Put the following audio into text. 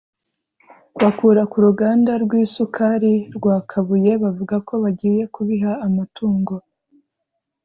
bakura ku ruganda rw’isukari rwa Kabuye bavuga ko bagiye kubiha amatungo